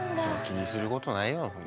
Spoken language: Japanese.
気にすることないよ。